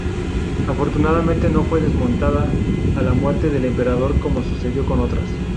Afortunadamente no fue desmontada a la muerte del emperador como sucedió con otras.